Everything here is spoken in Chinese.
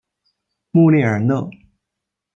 穆列尔讷。